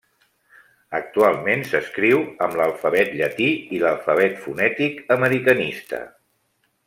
Actualment s'escriu amb l'alfabet llatí i l'Alfabet fonètic americanista.